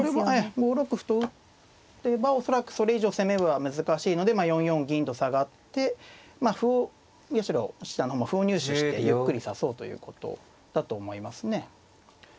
５六歩と打てば恐らくそれ以上攻めるのは難しいので４四銀と下がって歩を八代七段の方も歩を入手してゆっくり指そうということだと思いますね。